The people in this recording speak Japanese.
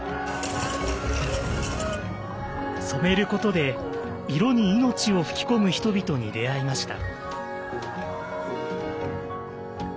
「染めること」で色に命を吹き込む人々に出会いました。